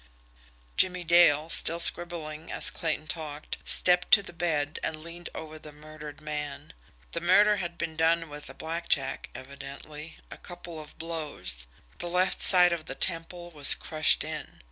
Jimmie Dale, still scribbling as Clayton talked, stepped to the bed and leaned over the murdered man. The murder had been done with a blackjack evidently a couple of blows. The left side of the temple was crushed in.